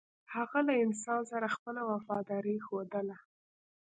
هغه له انسان سره خپله وفاداري ښودله.